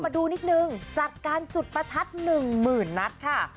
มาดูนิดหนึ่งจากการจุดประทัดหนึ่งหมื่นนัดค่ะ